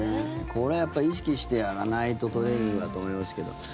これはやっぱり意識してやらないとトレーニングだと思いますけど。